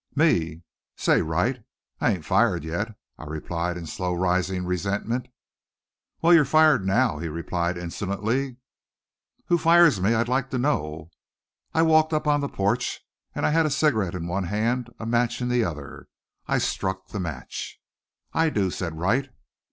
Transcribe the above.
"Me Say, Wright, I ain't fired yet," I replied, in slow rising resentment. "Well, you're fired now," he replied insolently. "Who fires me, I'd like to know?" I walked up on the porch and I had a cigarette in one hand, a match in the other. I struck the match. "I do," said Wright.